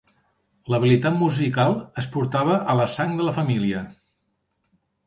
L'habilitat musical es portava a la sang de la família.